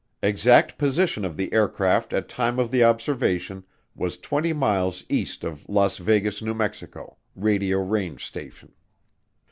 Exact position of the aircraft at time of the observation was 20 miles east of the Las Vegas, N.M., radio range station.